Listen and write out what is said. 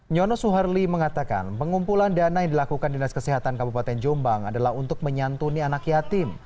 nyono suharli mengatakan pengumpulan dana yang dilakukan dinas kesehatan kabupaten jombang adalah untuk menyantuni anak yatim